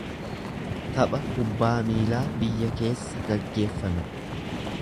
Tapha kubbaa miilaa biyya keessa geggeeffame.